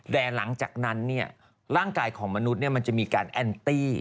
แต่หลังจากนั้นร่างกายของมนุษย์มันจะมีการแอนตี้